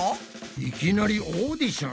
いきなりオーディション？